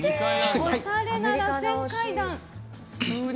おしゃれならせん階段。